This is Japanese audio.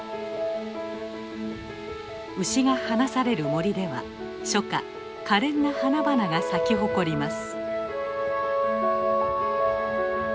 牛が放される森では初夏可憐な花々が咲き誇ります。